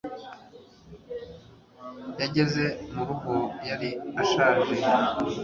yageze mu rugo, yari ashaje